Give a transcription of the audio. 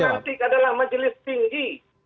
dan yang sebutkan arti adalah majelis tinggi